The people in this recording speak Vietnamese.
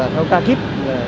theo ca kíp